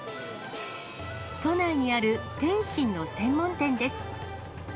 都内にある点心の専門店です。